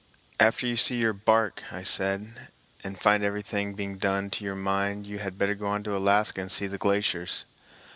"After you see your bark," I said, "and find everything being done to your mind, you had better go on to Alaska and see the glaciers."